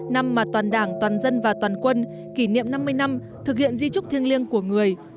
năm mà toàn đảng toàn dân và toàn quân kỷ niệm năm mươi năm thực hiện di trúc thiêng liêng của người